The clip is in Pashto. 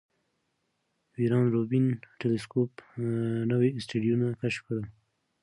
ویرا روبین ټیلسکوپ نوي اسټروېډونه کشف کړل.